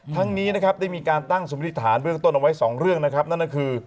ทั้งนี้นะครับได้มีการตั้งสมมติฐานเบื้องต้นเอาไว้สองเรื่องนะครับนั่นก็คือ